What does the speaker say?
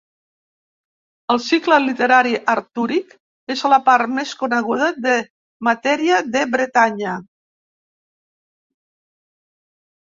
El cicle literari artúric és la part més coneguda de Matèria de Bretanya.